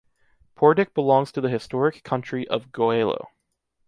Pordic belongs to the historic country of Goëlo.